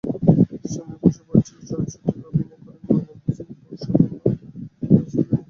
গিরীন্দ্রশেখর বসু পরিচালিত চলচ্চিত্রটিতে অভিনয় করেন মইনুল হোসেন এবং প্রসন্ননারায়ণ চৌধুরী।